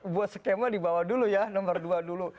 buat skema dibawa dulu ya nomor dua dulu